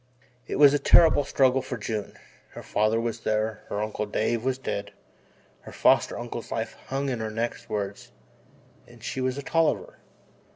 It was a terrible struggle for June. Her father was there, her uncle Dave was dead, her foster uncle's life hung on her next words and she was a Tolliver.